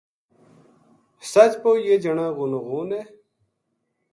سچ پو یہ جنا غونو غون ہے